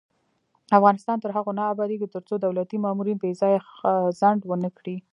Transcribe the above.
افغانستان تر هغو نه ابادیږي، ترڅو دولتي مامورین بې ځایه ځنډ ونه کړي.